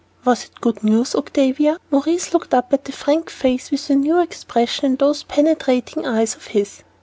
"Was it good news, Octavia?" and Maurice looked up at the frank face with a new expression in those penetrating eyes of his.